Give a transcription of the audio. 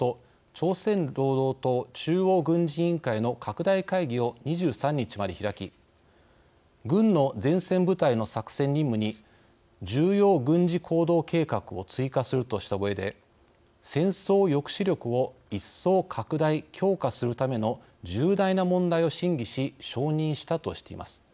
朝鮮労働党中央軍事委員会の拡大会議を２３日まで開き軍の前線部隊の作戦任務に重要軍事行動計画を追加するとしたうえで戦争抑止力を一層拡大・強化するための重大な問題を審議し承認したとしています。